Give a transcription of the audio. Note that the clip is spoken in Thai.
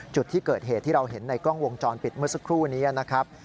จุดที่เกิดเหตุที่เราเห็นในกล้องวงจรปิดเมื่อสักครู่นี้นะครับ